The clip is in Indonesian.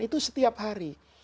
itu setiap hari